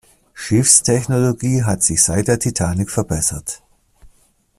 Schiffstechnologie hat sich seit der Titanic verbessert.